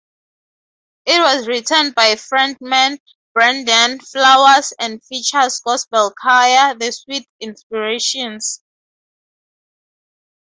It was written by frontman Brandon Flowers and features gospel choir The Sweet Inspirations.